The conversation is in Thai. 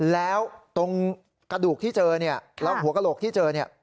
แล้วตรงกระดูกที่เจอเนี่ยแล้วหัวกระโหลกที่เจอเนี่ย